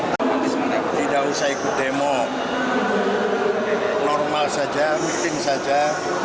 tidak usah ikut demo normal saja meeting saja